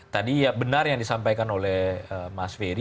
tadi ya benar yang disampaikan oleh mas ferry